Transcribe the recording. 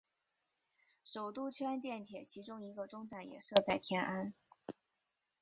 首都圈电铁其中一个终站也设在天安。